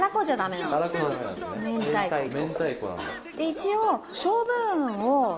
一応。